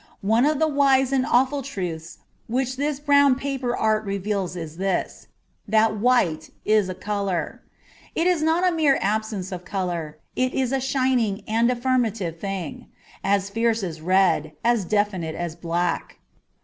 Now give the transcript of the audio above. One of the wise and awful truths which this brown paper art reveals is this : that white is a colour. It is not a mere absence of colour, it is a shining and affirmative thing : as fierce as red, as definite as black.